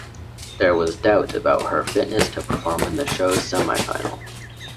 There was doubt about her fitness to perform in the show's semifinal.